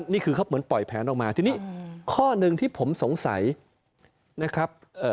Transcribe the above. นี่คือเขาเหมือนปล่อยแผนออกมาทีนี้ข้อหนึ่งที่ผมสงสัยนะครับ